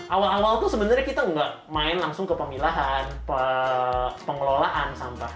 awal awal tuh sebenarnya kita nggak main langsung ke pemilahan pengelolaan sampah